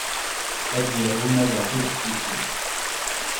Ad d-yarew umadaɣ tibexsisin.